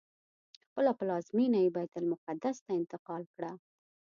خپله پلازمینه یې بیت المقدس ته انتقال کړه.